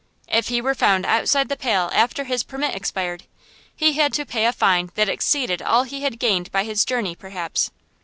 If he were found outside the Pale after his permit expired, he had to pay a fine that exceeded all he had gained by his journey, perhaps.